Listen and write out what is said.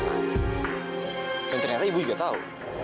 dan ternyata ibu juga tahu